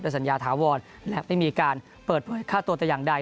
สัญญาถาวรและไม่มีการเปิดเผยค่าตัวแต่อย่างใด